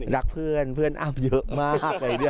รักเพื่อนเพื่อนอ้ำเยอะมากอะไรอย่างเงี้ย